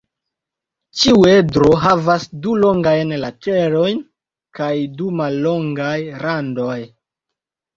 Ĉiu edro havas du longajn laterojn kaj du mallongaj randoj.